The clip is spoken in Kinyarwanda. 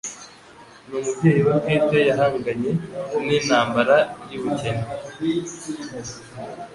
N'umubyeyi we bwite yahanganye n'intambara y'ubukene